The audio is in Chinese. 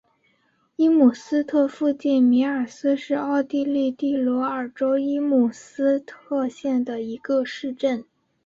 伊姆斯特附近米尔斯是奥地利蒂罗尔州伊姆斯特县的一个市镇。